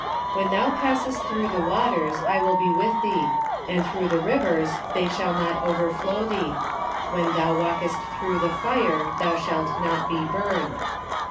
... When thou passest through the Avaters, I Avill be Avith thee ; and through the rivers, they shall not overfloAV thee : Avhen thou Avalk est through the fire, thou shalt not be burned.